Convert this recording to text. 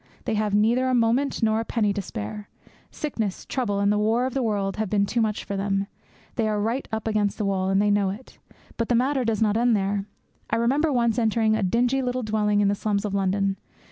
They have neither a moment nor a penny to spare. Sickness, trouble, and the war of the world have been too much for them. They are right up against the wall; and they know it. But the matter does not end there. I remember once entering a dingy little dwelling in the slums of London.